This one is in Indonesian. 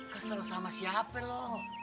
kesel sama siapa lo